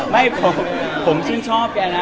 ไม่ผมชื่นชอบแกนะ